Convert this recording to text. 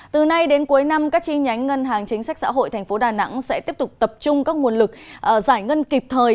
từ nay đến cuối năm các chi nhánh ngân hàng chính sách xã hội tp đà nẵng sẽ tiếp tục tập trung các nguồn lực giải ngân kịp thời